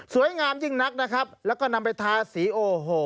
ยิ่งนักนะครับแล้วก็นำไปทาสีโอ้โห